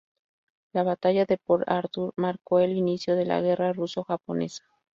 La batalla de Port Arthur marcó el inicio de la guerra ruso-japonesa.